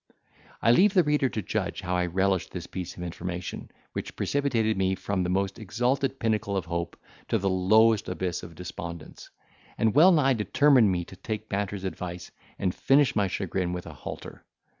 I leave the reader to judge how I relished this piece of information, which precipitated me from the most exalted pinnacle of hope to the lowest abyss of despondence, and well nigh determined me to take Banter's advice and finish my chagrin with a halter.